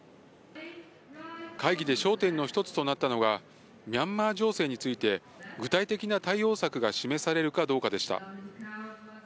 会議で焦点の一つとなったのが、ミャンマー情勢について具体的な対応策が示されるかどうかでした。